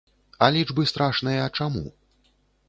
А лічбы страшныя чаму?